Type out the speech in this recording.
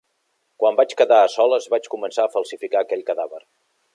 Quan vaig quedar a soles vaig començar a falsificar aquell cadàver.